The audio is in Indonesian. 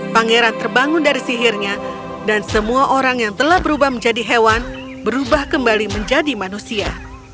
pangeran terbangun dari sihirnya dan semua orang yang telah berubah menjadi hewan berubah kembali menjadi manusia